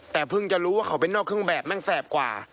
แต่เพิ่งจะรู้ว่าเขาเป็นนอกเครื่องแบบแม่งแสบกว่า